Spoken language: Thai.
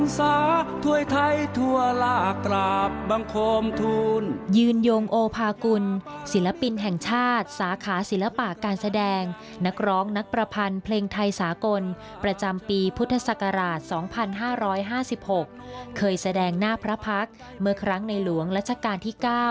สำหรับทุกคนที่ดูแลที่ที่๕๕๖เคยแสดงหน้าพระพักษ์เมื่อครั้งในหลวงรัชกาลที่๙